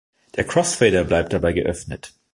Der Crossfader bleibt dabei geöffnet.